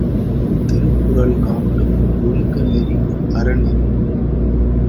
திருக்குறள் காட்டும் ஒழுக்கநெறி அறநெறி.